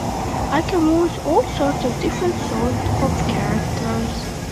I can voice all sorts all different sort of characters.